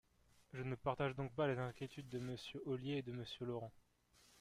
Je ne partage donc pas les inquiétudes de Monsieur Ollier et de Monsieur Laurent.